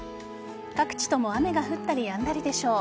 各地とも雨が降ったりやんだりでしょう。